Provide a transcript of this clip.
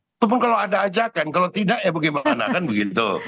itu pun kalau ada ajakan kalau tidak ya bagaimana kan begitu